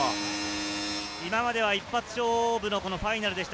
今までは一発勝負のファイナルでした。